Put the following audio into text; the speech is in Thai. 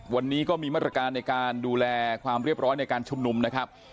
วันนี้ก็มีมาตรการในการดูแลความเรียบร้อยในการชุมนุมนะครับ